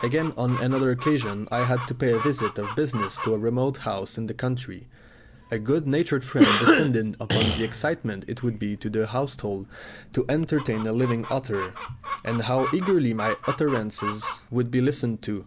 Again on another occasion I had to pay a visit of business to a remote house in the country. A good natured friend descanted upon the excitement it would be to the household to entertain a living author, and how eagerly my utterances would be listened to.